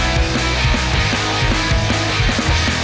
ส่วนยังแบร์ดแซมแบร์ด